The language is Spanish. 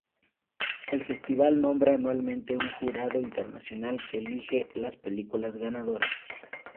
El Festival nombra anualmente un jurado internacional que elige las películas ganadoras.